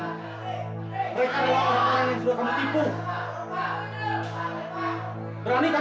mereka adalah orang orang yang sudah kamu tipu